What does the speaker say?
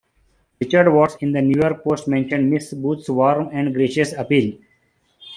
Richard Watts, in the "New York Post", mentioned "Miss Booth's warm and gracious appeal.